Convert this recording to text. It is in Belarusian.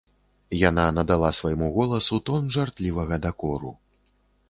Яна надала свайму голасу тон жартлівага дакору.